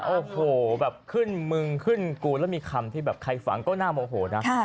โอ้โหแบบขึ้นมึงขึ้นกูแล้วมีคำที่แบบใครฝังก็น่าโมโหนะ